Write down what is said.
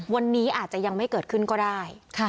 วันนี้อาจจะยังไม่เกิดขึ้นก็ได้